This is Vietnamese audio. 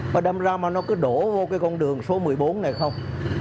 mà đâm ra mà nó cứ đổ vô cái con đường số một mươi bốn này không